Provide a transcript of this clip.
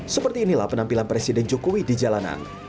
seperti inilah penampilan presiden jokowi di jalanan